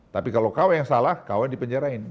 tapi kalau kau yang salah kau yang dipenjarain